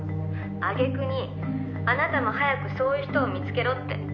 「あげくにあなたも早くそういう人を見つけろって」